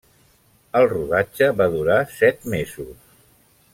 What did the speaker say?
El rodatge va durar set mesos.